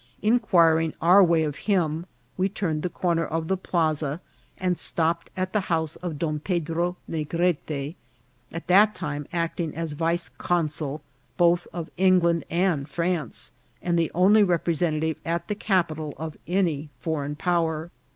Inquiring our way of him, we turned the corner of the plaza, and stopped at the house of Don Pedro Negrete, at that time acting as vice consul both of England and France, and the only representative at the capital of any foreign power.